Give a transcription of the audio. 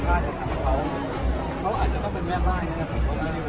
ก็มีเหนะว่าดูสามเหล่านนท์หน้ากองคับคุณแรก